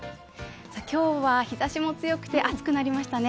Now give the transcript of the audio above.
今日は日ざしも強くて暑くなりましたね。